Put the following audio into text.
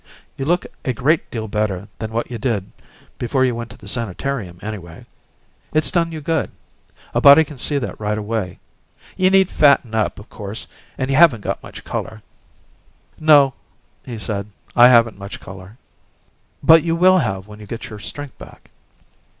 "You look a great deal better than what you did before you went to the sanitarium, anyway. It's done you good; a body can see that right away. You need fatting up, of course, and you haven't got much color " "No," he said, "I haven't much color." "But you will have when you get your strength back."